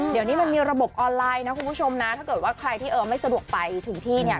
เดี๋ยวนี้มันมีระบบออนไลน์นะคุณผู้ชมนะถ้าเกิดว่าใครที่เออไม่สะดวกไปถึงที่เนี่ย